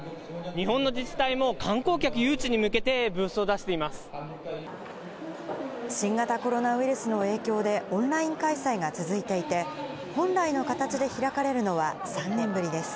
日本の自治体も、観光客誘致に向新型コロナウイルスの影響で、オンライン開催が続いていて、本来の形で開かれるのは３年ぶりです。